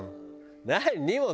何？